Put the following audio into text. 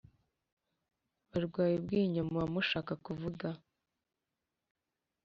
Barwaye ubwinyo s muba mushaka kuvuga